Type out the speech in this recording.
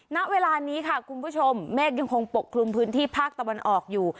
ณเวลานี้ค่ะคุณผู้ชมเมฆยังคงปกคลุมพื้นที่ภาคตะวันออกอยู่